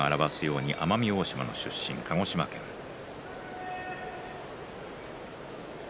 しこ名が表すように奄美大島の出身、鹿児島県出身